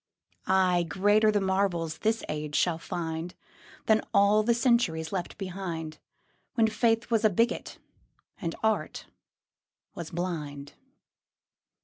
Ay, greater the marvels this age shall find Than all the centuries left behind, When faith was a bigot and art was blind.